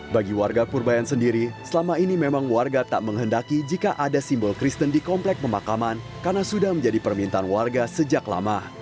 bagi warga purbayan sendiri selama ini memang warga tak menghendaki jika ada simbol kristen di komplek pemakaman karena sudah menjadi permintaan warga sejak lama